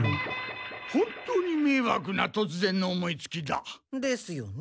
本当にめいわくなとつぜんの思いつきだ。ですよね。